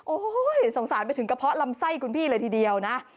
โอ้โหสงสารไปถึงกระเพาะลำไส้คุณพี่เลยทีเดียวนะ